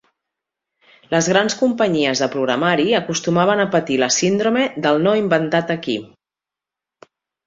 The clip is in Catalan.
Les grans companyies de programari acostumaven a patir la síndrome del "no inventat aquí".